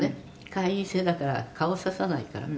「会員制だから顔を指さないから」